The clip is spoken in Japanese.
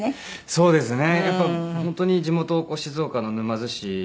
そうですか。